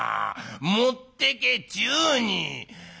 持ってけちゅうに！」。